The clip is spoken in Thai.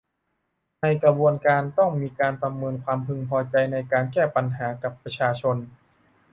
ในกระบวนการต้องมีการประเมินความพึงพอใจในการแก้ไขปัญหากับประชาชน